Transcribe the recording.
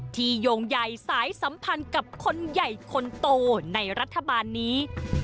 โยงใหญ่สายสัมพันธ์กับคนใหญ่คนโตในรัฐบาลนี้